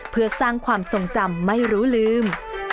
เพื่อสร้างความทรงจำไม่รู้ลืม